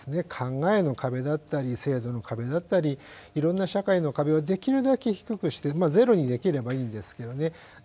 考えの壁だったり制度の壁だったりいろんな社会の壁をできるだけ低くしてまあゼロにできればいいんですけどね。